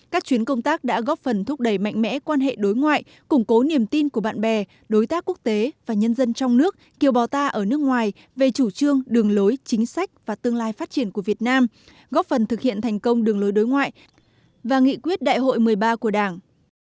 các chuyến công tác đã góp phần thúc đẩy mạnh mẽ quan hệ đối ngoại củng cố niềm tin của bạn bè đối tác quốc tế và nhân dân trong nước kiều bò ta ở nước ngoài về chủ trương đường lối chính sách và tương lai phát triển của việt nam góp phần thực hiện thành công đường lối đối ngoại và nghị quyết đại hội một mươi ba của đảng